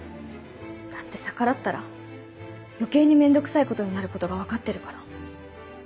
だって逆らったら余計に面倒くさいことになることが分かってるから。